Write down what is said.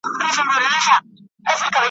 لا د پلار کیسه توده وي چي زوی خپل کوي نکلونه `